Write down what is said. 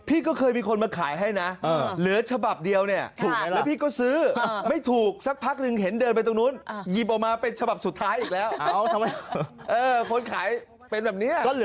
พี่ก็เคยมีคนมาขายให้นะเหลือฉบับเดียวตรงนั้นพี่ก็จะซื้อไม่ถูกซักพักหนึ่งเห็นเดินไปตรงนู้นยิบออกมาเป็นฉบับสุดท้ายอีกแล้ว